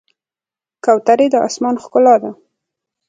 کوترې د آسمان ښکلا ده.